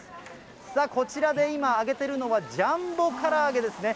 こちらで今揚げてるのは、ジャンボから揚げですね。